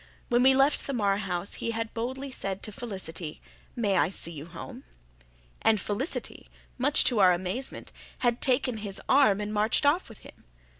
When we left the Marr house, he had boldly said to Felicity, "May I see you home?" And Felicity, much to our amazement, had taken his arm and marched off with him.